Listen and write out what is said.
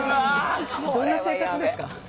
どんな生活ですか。